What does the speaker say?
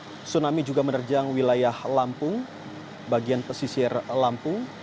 tsunami juga menerjang wilayah lampung bagian pesisir lampung